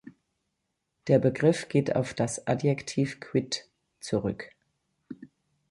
Der Begriff geht auf das Adjektiv quitt zurück.